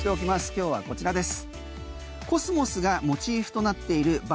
今日はこちらです。